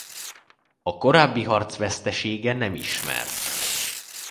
A korábbi harc vesztesége nem ismert.